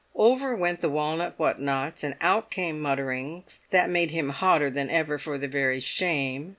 Over went walnut whatnots, and out came mutterings that made him hotter than ever for very shame.